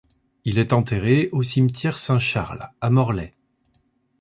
Il est enterré au cimetière Saint-Charles à Morlaix.